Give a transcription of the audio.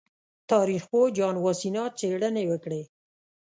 تاریخ پوه جان واسینا څېړنې وکړې.